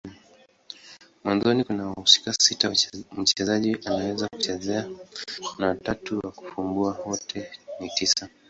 Mwanzoni kuna wahusika sita mchezaji anaweza kuchezea na watatu wa kufumbua. Wote ni tisa.